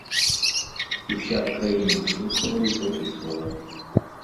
Уся краіна слухала і запісвала.